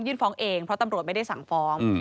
ฟ้องเองเพราะตำรวจไม่ได้สั่งฟ้อง